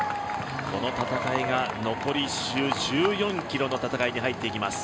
この戦いが残り１周１４ｋｍの戦いに入っていきます。